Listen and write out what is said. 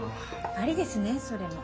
ありですねそれも。